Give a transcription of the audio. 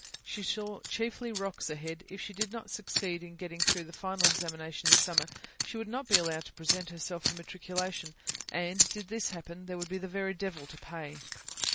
She saw chiefly rocks ahead. If she did not succeed in getting through the final examination in summer, she would not be allowed to present herself for matriculation, and, did this happen, there would be the very devil to pay.